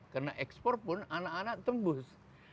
karena ekspor pun anak anak tembus